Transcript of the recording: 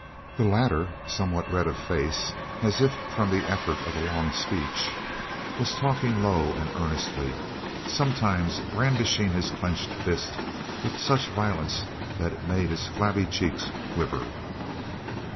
The latter, somewhat red of face, as if from the effort of a long speech, was talking low and earnestly, sometimes brandishing his clenched fist with such violence that it made his flabby cheeks quiver.